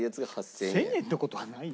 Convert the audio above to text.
１０００円って事はないよ。